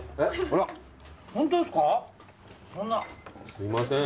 すいません。